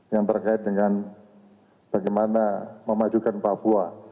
yang terkait dengan bagaimana memajukan papua